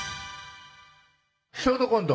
ショートコント